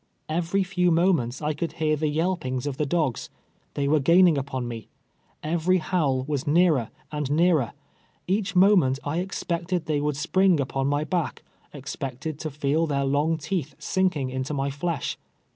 Every few moments I could hear the yelpings of the dogs. Tliey were gaining upon me. Every howl was nearer and nearer. Each moment I exj^ected they would spring upon my back — expected to feel their long teeth sinking into my flesh.